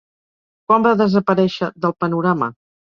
Quan va desaparèixer del panorama?